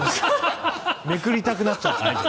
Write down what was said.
めくりたくなっちゃって。